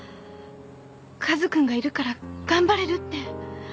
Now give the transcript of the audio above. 和君がいるから頑張れるって。